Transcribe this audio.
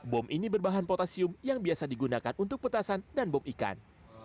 bom ini berbahan potasium yang biasa digunakan untuk petasan dan bom ikan